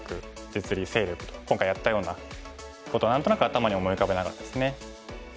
実利勢力と今回やったようなことを何となく頭に思い浮かべながらですね